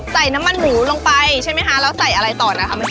ใส่น้ำมันหมูลงไปใช่ไหมคะแล้วใส่อะไรต่อนะคะ